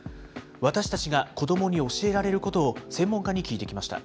私たちが子どもに教えられることを専門家に聞いてきました。